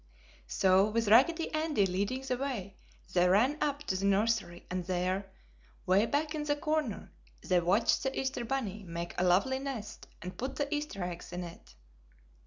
So with Raggedy Andy leading the way, they ran up to the nursery and there, 'way back in a corner, they watched the Easter bunny make a lovely nest and put the Easter eggs in it.